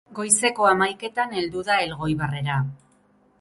Goizeko hamaiketan heldu da Elgoibarrera.